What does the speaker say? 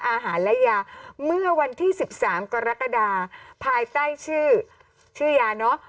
อาหารและยาเมื่อวันที่๑๓กรกฎาภายใต้ชื่อชื่อยาเนอะ